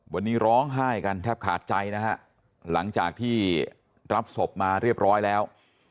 วันนี้ร้องไห้กันแทบขาดใจนะฮะหลังจากที่รับศพมาเรียบร้อยแล้ว